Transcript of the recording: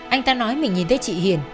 anh ta nói mình nhìn thấy chị hiền